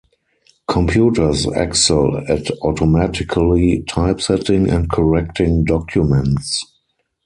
Computers excel at automatically typesetting and correcting documents.